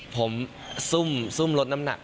ผมซุ่มลดน้ำหนัก